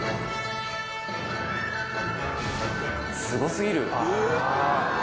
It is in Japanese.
すご過ぎる。